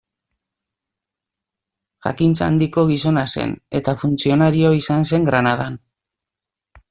Jakintza handiko gizona zen, eta funtzionario izan zen Granadan.